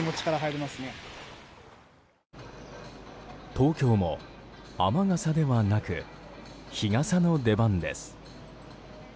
東京も雨傘ではなく日傘の出番です。